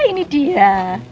ah ini dia